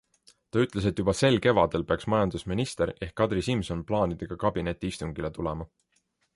Ta ütles, et juba sel kevadel peaks majandusminister ehk Kadri Simson plaanidega kabinetiistungile tulema.